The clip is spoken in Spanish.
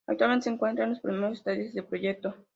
Actualmente se encuentra en los primeros estadios de proyecto.